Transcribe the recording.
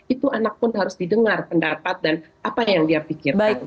itu anak pun harus didengar pendapat dan apa yang dia pikirkan